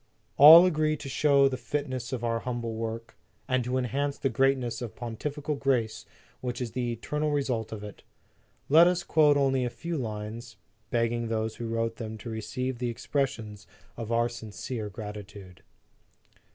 All agree to show the fitness of our humble o work, and to enhance the greatness of the pontifical grace which is the eternal result of it. Let us quote only a few lines, begging those who wrote them to receive the expres sions of our sincere gratitude. 1 6 Preface to the Second Edition.